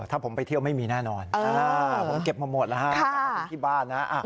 ถ้าผมไปเที่ยวไม่มีแน่นอนเพราะว่าเก็บมาหมดแล้วค่ะกลับไปที่บ้านนะ